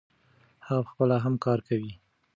هغه پخپله هم کار کوي.